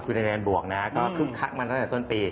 อยู่ในแดนบวกนะครับก็คึกคักมันตั้งแต่ต้นปี